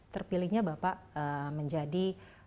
terpilihnya bapak menjadi